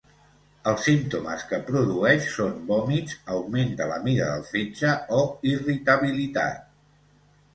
Els símptomes que produeix són vòmits, augment de la mida del fetge o irritabilitat.